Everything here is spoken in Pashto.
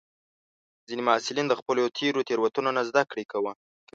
ځینې محصلین د خپلو تېرو تېروتنو نه زده کړه کوي.